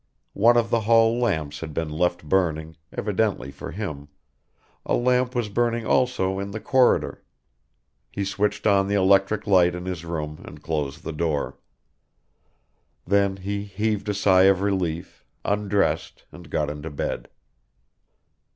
One of the hall lamps had been left burning, evidently for him: a lamp was burning also, in the corridor. He switched on the electric light in his room and closed the door. Then he heaved a sigh of relief, undressed and got into bed.